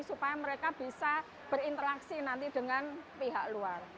supaya mereka bisa berinteraksi nanti dengan pihak luar